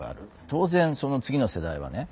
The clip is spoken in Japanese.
当然その次の世代はね